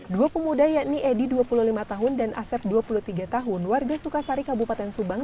dua pemuda yakni edi dua puluh lima tahun dan asep dua puluh tiga tahun warga sukasari kabupaten subang